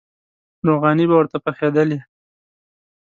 روغانۍ به ورته پخېدلې.